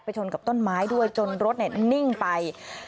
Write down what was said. ชนกับต้นไม้ด้วยจนรถนิ่งไป